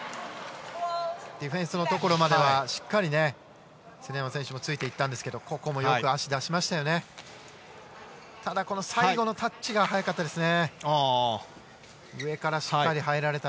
ディフェンスのところまではしっかり常山選手もついていったんですけどここもよく足を出しました。